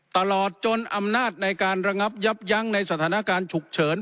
ตลอดจนอำนาจในการระงับยับยั้งในสถานการณ์ฉุกเฉิน